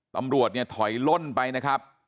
ตำรวจเนี่ยถอยล่นไปนะครับ